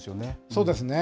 そうですね。